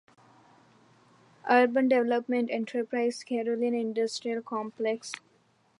Urban development enterprise - Karelian Industrial Complex.